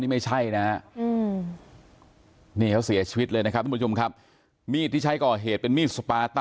นี่ไม่ใช่นะเค้าเสียชีวิตเลยนะครับมุญคุมครับมีดที่ใช้ก่อเหตุเป็นมีดสปาร์ต้านะครับ